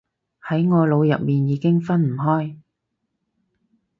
喺我腦入面已經分唔開